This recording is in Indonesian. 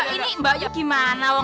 ini mbak yu gimana